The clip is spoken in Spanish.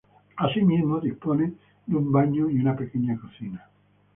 Asimismo dispone de un baño y una pequeña cocina.